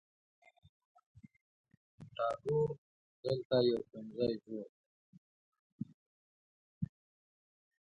ټاګور دلته یو ښوونځي جوړ کړ.